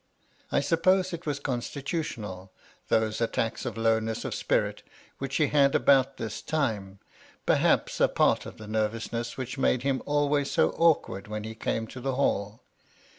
I suppose it was constitutional, those attacks of lowness of spirits which he had about this time ; perhaps a part of the nervousness which made him always so awkward when he came to the Hall.